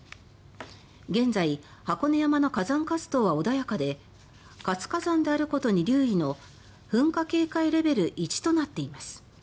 現在、箱根山の火山活動は穏やかで活火山であることに留意の噴火警戒レベル１となっています。